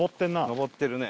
上ってるね。